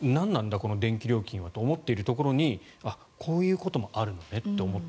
この電気料金はと思っているところにこういうこともあるのねと。